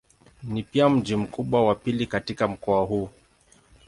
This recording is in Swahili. Ni pia mji mkubwa wa pili katika mkoa huu.